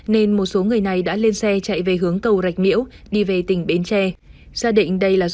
nên một số người này đã lên xe chạy về hướng cầu rạch miễu đi về tỉnh bến tre xác định đây là số